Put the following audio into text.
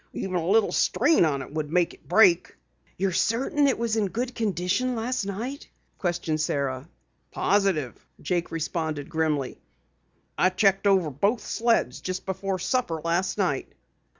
Even a little strain on it would make it break." "You're certain it was in good condition last night?" Sara questioned. "Positive," Jake responded grimly. "I checked over both sleds just before supper last night."